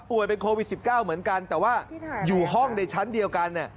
เป็นโควิด๑๙เหมือนกันแต่ว่าอยู่ห้องในชั้นเดียวกันเนี่ย